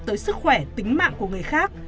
tới sức khỏe tính mạng của người khác